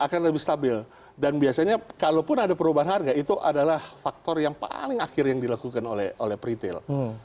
akan lebih stabil dan biasanya kalaupun ada perubahan harga itu adalah faktor yang paling akhir yang dilakukan oleh retail